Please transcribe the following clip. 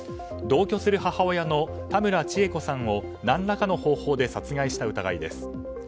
同居する母親の田村千江田子さんを何らかの方法で殺害した疑いです。